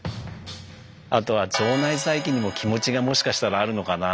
あとは腸内細菌にも気持ちがもしかしたらあるのかな。